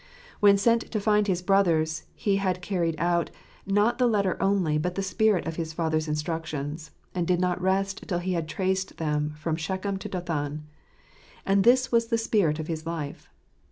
' When sent to find his brothers, he had carried out, not the letter only, but the spirit of his father's instruc tions, and did not rest till he had traced them from Shechem to Dothan. And this was the spirit of his life.